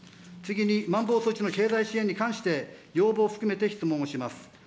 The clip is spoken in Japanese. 次に、まん防措置の経済支援について、要望を含めて質問をします。